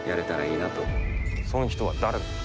そん人は誰だ？